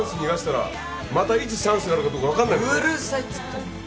うるさいっつってんの。